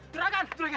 seragam seragam seragam